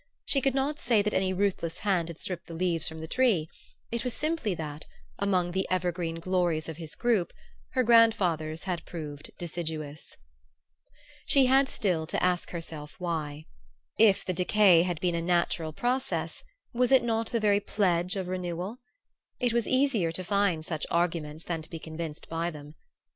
She could not say that any ruthless hand had stripped the leaves from the tree: it was simply that, among the evergreen glories of his group, her grandfather's had proved deciduous. She had still to ask herself why. If the decay had been a natural process, was it not the very pledge of renewal? It was easier to find such arguments than to be convinced by them.